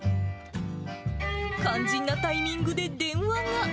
肝心なタイミングで電話が。